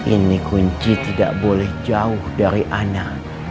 ini kunci tidak boleh jauh dari ana